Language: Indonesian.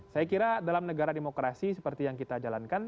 saya kira dalam negara demokrasi seperti yang kita jalankan